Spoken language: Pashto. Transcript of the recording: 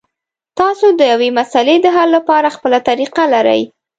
تاسو د یوې مسلې د حل لپاره خپله طریقه لرئ.